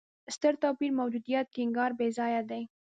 ستر توپیر موجودیت ټینګار بېځایه دی.